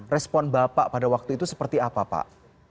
respon bapak pada waktu itu seperti apa pak